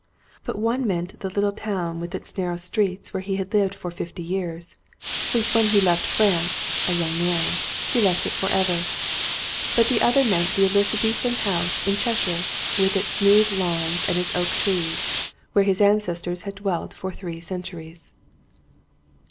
But one meant the little town with its narrow THE SEEVANTS OP GOD streets where he had lived for fifty jears, since when he left France, a young man, he left it for ever; but the other meant the Elizabethan house in Cheshire, with its smooth lawns and its oak trees, where his ancestors had dwelt for three centuries.